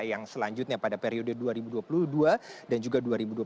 yang selanjutnya pada periode dua ribu dua puluh dua dan juga dua ribu dua puluh